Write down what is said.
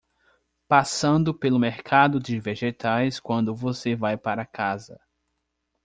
Passando pelo mercado de vegetais quando você vai para casa